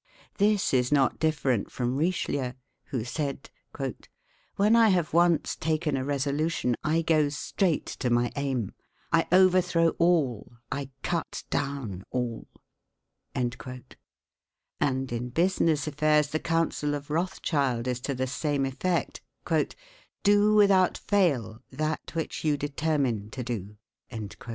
This is not different from Richelieu, who said: "When I have once taken a resolution, I go straight to my aim; I overthrow all, I cut down all." And in business affairs the counsel of Rothschild is to the same effect: "Do without fail that which you determine to do."